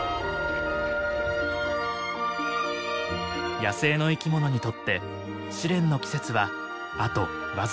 野生の生き物にとって試練の季節はあと僅かです。